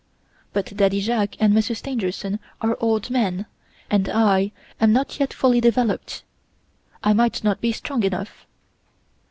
But Daddy Jacques and Monsieur Stangerson are old men, and I am not yet fully developed. I might not be strong enough.